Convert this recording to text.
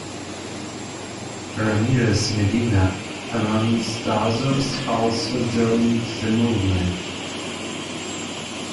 Ramirez Medina amongst others also joined the movement.